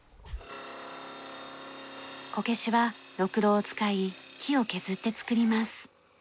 こけしはろくろを使い木を削って作ります。